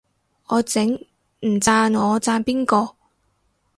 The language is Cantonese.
我整，唔讚我讚邊個